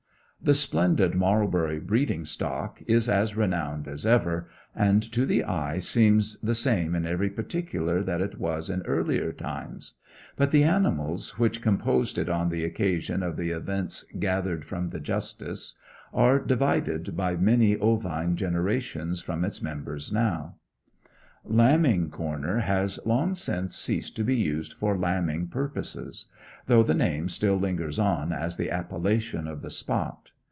The splendid Marlbury breeding flock is as renowned as ever, and, to the eye, seems the same in every particular that it was in earlier times; but the animals which composed it on the occasion of the events gathered from the Justice are divided by many ovine generations from its members now. Lambing Corner has long since ceased to be used for lambing purposes, though the name still lingers on as the appellation of the spot.